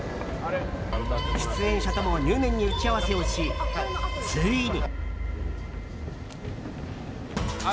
出演者とも入念に打ち合わせをしついに。